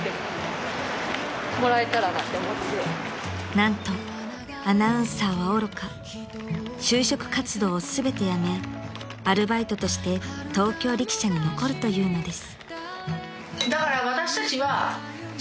［何とアナウンサーはおろか就職活動を全てやめアルバイトとして東京力車に残るというのです］